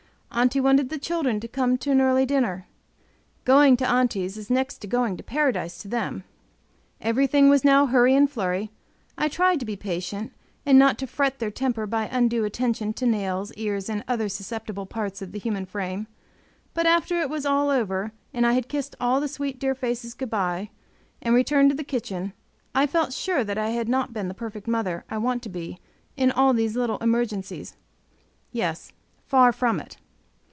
Aunty wanted the children to come to an early dinner. Going to Aunty's is next to going to Paradise to them. Every thing was now hurry and flurry; I tried to be patient; and not to fret their temper by undue attention to nails, ears, and other susceptible parts of the human frame, but after it was all over, and I had kissed all the sweet, dear faces good by, and returned to the kitchen, I felt sure that I had not been the perfect mother I want to be in all these little emergencies yes, far from it.